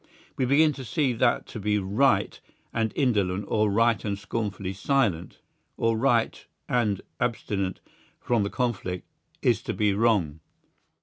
We begin to see that to be right and indolent, or right and scornfully silent, or right and abstinent from the conflict is to be wrong.